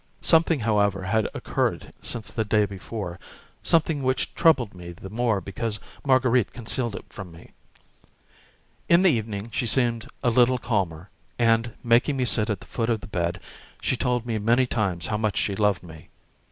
Something, however, had occurred since the day before, something which troubled me the more because Marguerite concealed it from me. In the evening she seemed a little calmer, and, making me sit at the foot of the bed, she told me many times how much she loved me.